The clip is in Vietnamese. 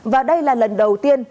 và đây là lần đầu tiên